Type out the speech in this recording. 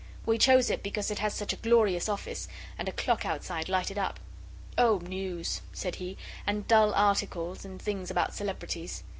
We chose it because it has such a glorious office, and a clock outside lighted up. 'Oh, news,' said he, 'and dull articles, and things about Celebrities.